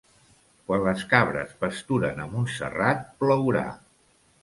Quan les cabres pasturen a Montserrat, plourà.